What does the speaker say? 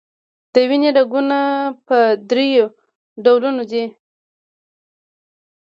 د وینې رګونه په دری ډوله دي.